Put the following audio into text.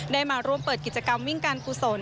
มาร่วมเปิดกิจกรรมวิ่งการกุศล